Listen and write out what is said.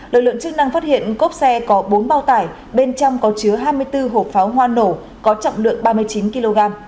lực lượng chức năng phát hiện cốp xe có bốn bao tải bên trong có chứa hai mươi bốn hộp pháo hoa nổ có trọng lượng ba mươi chín kg